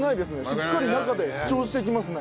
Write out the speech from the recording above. しっかり中で主張してきますね。